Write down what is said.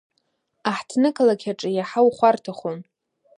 Аҳҭнықалақь аҿы иаҳа ухәарҭахон.